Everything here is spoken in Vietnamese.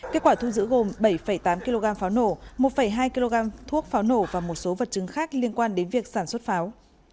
kết quả thu giữ gồm bảy tám kg pháo nổ một hai kg thuốc pháo nổ và một số vật chứng khác liên quan đến việc sản xuất pháo